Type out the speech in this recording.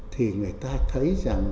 thì người ta thấy rằng